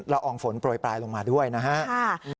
อองฝนโปรยปลายลงมาด้วยนะครับ